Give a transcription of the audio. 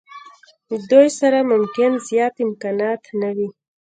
دوی سره ممکن زیات امکانات نه وي.